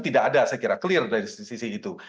tidak ada saya kira clear dari sisi itu